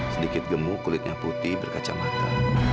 sedikit gemuk kulitnya putih berkaca mata